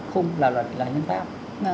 không là luật là hiến pháp